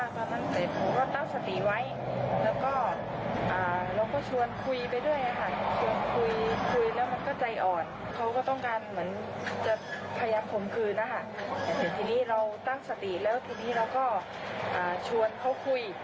พยายามข่มคืนนะคะทีนี้เราตั้งสติแล้วทีนี้เราก็ชวนเขาคุย